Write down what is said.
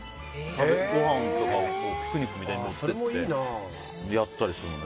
ごはんとかピクニックみたいに持って行ってやったりするのね。